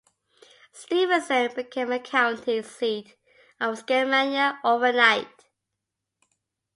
Stevenson became the county seat of Skamania overnight.